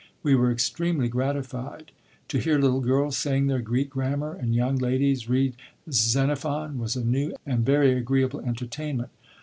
We were extremely gratified. To hear little girls saying their Greek grammar and young ladies read Xenophon was a new and very agreeable entertainment."